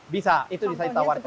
bisa itu bisa ditawarkan